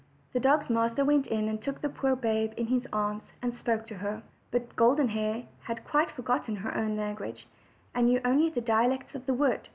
The dog's master went in and took the poor babe in his arms, and spoke to her. But Golden Hair had quite forgotten her own language, and knew only the dialects of the wood.